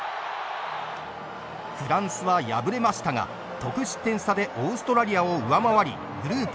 フランスは敗れましたが得失点差でオーストラリアを上回りグループ